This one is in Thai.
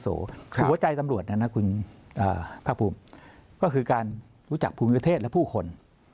ครับหัวใจสำรวจน่ะนะคุณเอ่อภาคภูมิก็คือการรู้จักภูมิเศรษฐ์และผู้คน